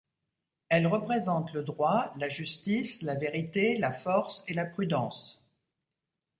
Elles représentent le droit, la justice, la vérité, la force et la prudence.